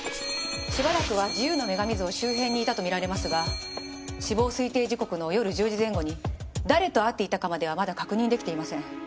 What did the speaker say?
しばらくは自由の女神像周辺にいたとみられますが死亡推定時刻の夜１０時前後に誰と会っていたかまではまだ確認できていません。